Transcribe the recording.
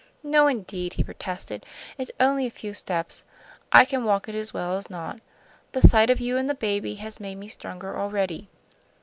"No, indeed," he protested. "It's only a few steps; I can walk it as well as not. The sight of you and the baby has made me stronger already."